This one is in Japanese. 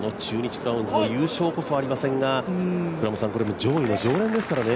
クラウンズも優勝こそありませんがこれも上位の常連ですからね。